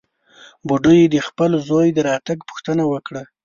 بوډۍ د خپل زوى د راتګ پوښتنه وکړه.